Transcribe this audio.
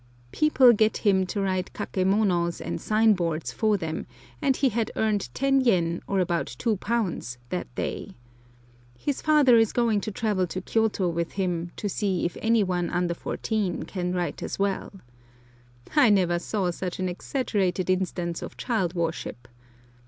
People get him to write kakemonos and signboards for them, and he had earned 10 yen, or about £2, that day. His father is going to travel to Kiyôto with him, to see if any one under fourteen can write as well. I never saw such an exaggerated instance of child worship.